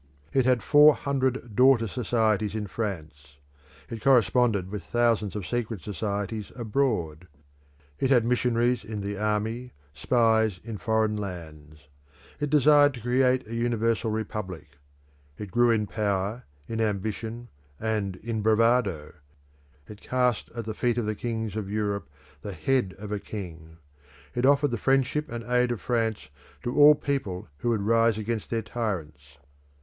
It had four hundred daughter societies in France; it corresponded with thousands of secret societies abroad; it had missionaries in the army, spies in foreign lands. It desired to create a universal republic; it grew in power, in ambition, and in bravado; it cast at the feet of the kings of Europe the head of a king; it offered the friendship and aid of France to all people who would rise against their tyrants.